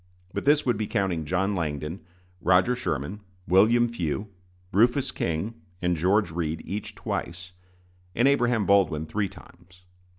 But this would be counting John Langdon, Roger Sherman, William Few, Rufus King, and George Read each twice, and Abraham Baldwin three times.